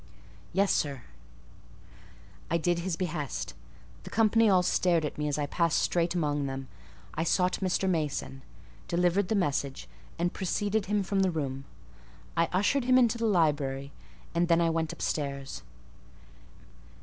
"Yes, sir." I did his behest. The company all stared at me as I passed straight among them. I sought Mr. Mason, delivered the message, and preceded him from the room: I ushered him into the library, and then I went upstairs.